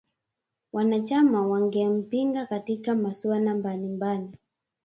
Wanachama wangempinga katika masuala mbali mbali